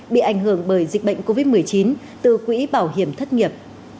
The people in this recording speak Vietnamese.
bị ảnh hưởng bởi dịch bệnh covid một mươi chín từ quỹ bảo hiểm thất nghiệp